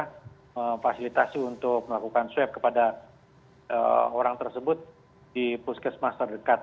kita memfasilitasi untuk melakukan swab kepada orang tersebut di puskesmas terdekat